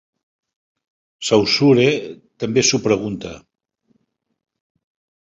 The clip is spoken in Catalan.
Saussure també s'ho pregunta.